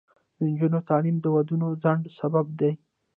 د نجونو تعلیم د ودونو ځنډ سبب دی.